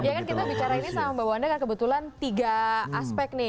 ya kan kita bicara ini sama mbak wanda kan kebetulan tiga aspek nih